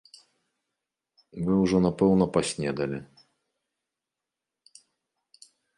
Вы ўжо напэўна паснедалі.